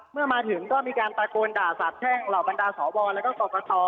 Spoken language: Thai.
เมื่อมาถึงก็มีการตะโกนด่าสาบแช่งเหล่าบรรดาสวแล้วก็กรกต